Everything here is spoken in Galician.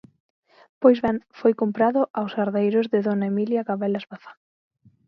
Pois ben, foi comprado aos herdeiros de dona Emilia Gabelas Bazán.